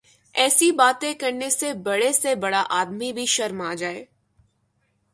ایسی باتیں کرنے سے بڑے سے بڑا آدمی بھی شرما جائے۔